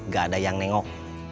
gak ada yang nengok